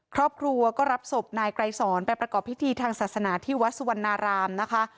ครอบครัวก็รับศพนายไกรสอนไปประกอบพิธีทางศาสนาที่วัดสุวรรณารามนะคะ